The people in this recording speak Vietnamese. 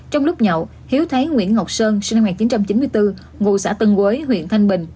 trong lúc nhậu hiếu thấy nguyễn ngọc sơn sinh năm một nghìn chín trăm chín mươi bốn ngụ xã tân quế huyện thanh bình